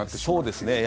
そうですね。